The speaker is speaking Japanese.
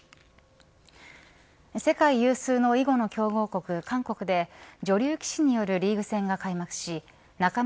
世界有数の囲碁の強豪国、韓国で女流棋士によるリーグ戦が開幕し仲邑